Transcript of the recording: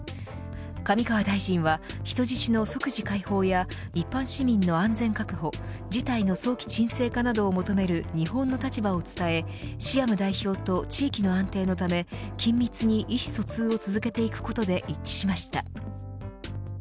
上川大臣は人質の即時解放や一般市民の安全確保、事態の早期鎮静化などを求める日本の立場を伝えシアム代表と地域の安定のため緊密に意思疎通を続けていくことで一致しました。